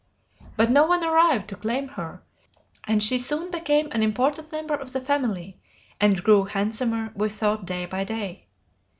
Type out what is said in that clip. But no one arrived to claim her, and she soon became an important member of the family, and grew handsomer, we thought, day by day.